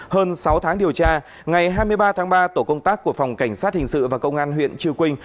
hơn sáu tháng điều tra ngày hai mươi ba tháng ba tổ công tác của phòng cảnh sát hình sự và công an huyện chư quynh